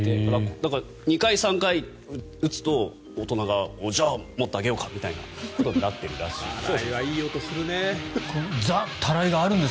２回、３回打つと、大人がじゃあ、もっとあげようかみたいなことになっているらしいです。